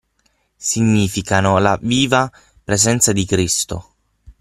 significano la viva presenza di Cristo.